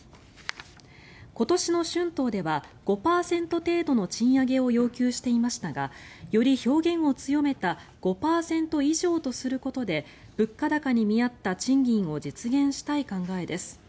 今年の春闘では５％程度の賃上げを要求していましたがより表現を強めた５％以上とすることで物価高に見合った賃金を実現したい考えです。